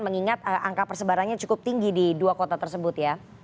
mengingat angka persebarannya cukup tinggi di dua kota tersebut ya